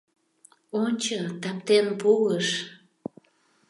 — Ончо, таптен пуыш!